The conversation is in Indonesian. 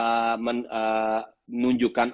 soalnya saya menguntungkannya